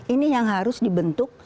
ini yang harus dibentuk